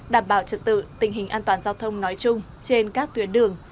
đảm bảo trật tự tình hình an toàn giao thông nói chung trên các tuyến đường